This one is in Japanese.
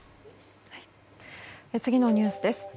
次のニュースです。